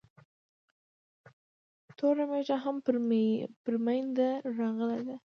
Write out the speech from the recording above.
توره مېږه هم پر مينده راغلې ده